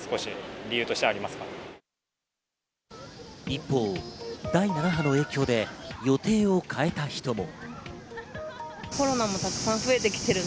一方、第７波の影響で予定を変えた人も。